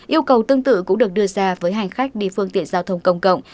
yêu cầu tương tự cũng được đưa ra với hành khách đi phương tiện giao thông công cộng